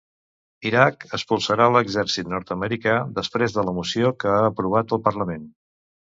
Iraq expulsarà l'exèrcit nord-americà, després de la moció que ha aprovat el parlament.